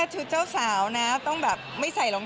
ชุดเจ้าสาวชุดสูง